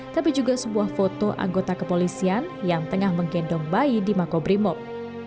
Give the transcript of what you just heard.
tapi juga sebuah foto anggota kepolisian yang tengah menggendong bayi di makobrimob